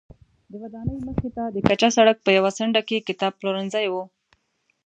د ودانۍ مخې ته د کچه سړک په یوه څنډه کې کتابپلورځی و.